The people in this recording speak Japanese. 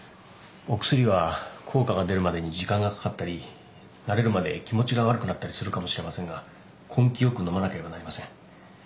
お薬は効果が出るまでに時間がかかったり慣れるまで気持ちが悪くなったりするかもしれませんが根気よく飲まなければなりません。